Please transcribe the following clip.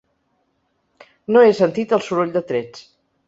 No he sentit el soroll de trets.